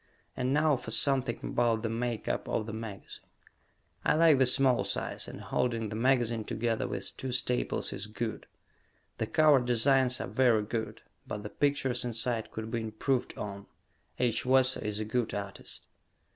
And now for something about the make up of the magazine. I like the small size, and holding the magazine together with two staples is good. The cover designs are very good, but the pictures inside could be improved on. H. Wesso is a good artist.